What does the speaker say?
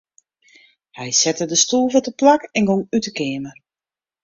Hy sette de stoel wer teplak en gong út 'e keamer.